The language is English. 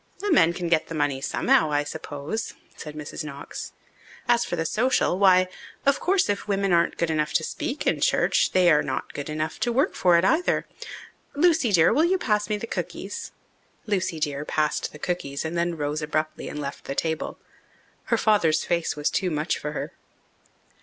"The men can get the money somehow, I suppose," said Mrs. Knox. "As for the social, why, of course, if women aren't good enough to speak in church they are not good enough to work for it either. Lucy, dear, will you pass me the cookies?" "Lucy dear" passed the cookies and then rose abruptly and left the table. Her father's face was too much for her.